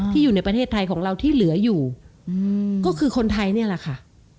อยู่ในประเทศไทยของเราที่เหลืออยู่ก็คือคนไทยนี่แหละค่ะ